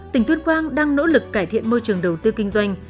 tỉnh tuyên quang đang nỗ lực cải thiện môi trường đầu tư kinh doanh